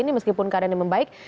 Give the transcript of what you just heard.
ini meskipun keadaan yang membaik